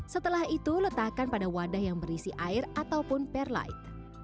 setelah itu letakkan pada wadah yang berisi air ataupun perlite